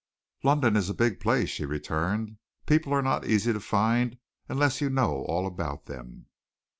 "London is a big place," she returned. "People are not easy to find unless you know all about them."